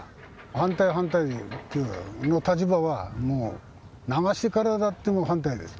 反対は反対っていう立場はもう、流してからだってもう反対です。